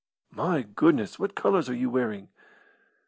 My goodness, what colours are you wearing?"